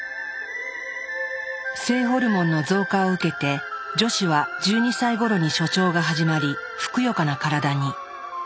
性ホルモンの増加を受けて女子は１２歳ごろに初潮が始まりふくよかな体に。